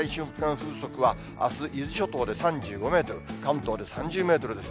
風速は、あす、伊豆諸島で３５メートル、関東で３０メートルです。